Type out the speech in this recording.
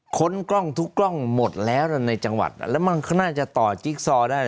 ค้นกล้องทุกกล้องหมดแล้วในจังหวัดแล้วมันก็น่าจะต่อจิ๊กซอได้